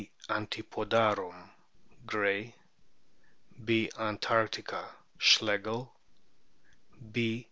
antipodarum, Gray; B. antarctica, Schlegel ; B.